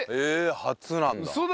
初なんだ。